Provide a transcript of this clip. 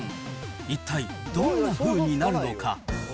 一体どんなふうになるのか。